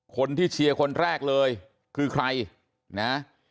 เชียร์คนแรกเลยคือใครนะ